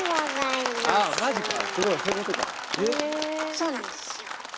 そうなんですよ。